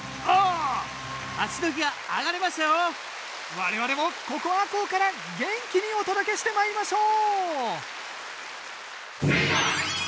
我々もここ赤穂から元気にお届けしてまいりましょう！